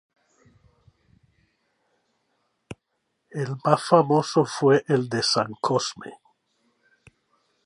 El más famoso fue el de San Cosme.